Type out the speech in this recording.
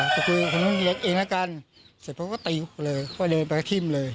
ไปคุยกับคนนู้นเองแล้วกันเสร็จปุ๊บก็ติ๊บเลยก็เดินไปทิ้งเลย